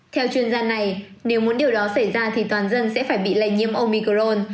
theo chuyên gia này nếu muốn điều đó xảy ra thì toàn dân sẽ phải bị lây nhiễm omicron